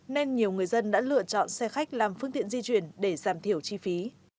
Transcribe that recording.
nên nhiều người dân đã lựa chọn xe khách làm phương tiện di chuyển để giảm thiểu chi phí